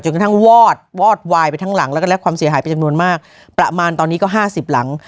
กระทั่งวอดวอดวายไปทั้งหลังแล้วก็และความเสียหายเป็นจำนวนมากประมาณตอนนี้ก็ห้าสิบหลัง